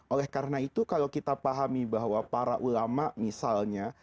oleh karena itu kalau kita pahami bahwa para ulama misalnya